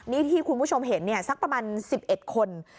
นี่ที่คุณผู้ชมเห็นเนี่ยสักประมาณ๑๑คน